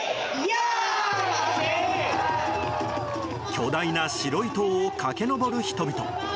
巨大な白い塔を駆け上る人々。